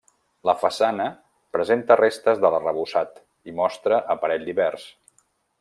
La façana presenta restes de l'arrebossat i mostra aparell divers.